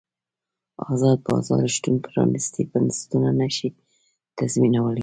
ازاد بازار شتون پرانیستي بنسټونه نه شي تضمینولی.